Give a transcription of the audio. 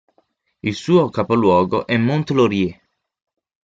Il suo capoluogo è Mont-Laurier.